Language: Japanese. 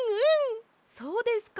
そうですか！？